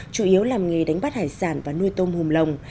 chủ yếu làm nghề đánh bắt hải sản và nuôi tôm hùm lồng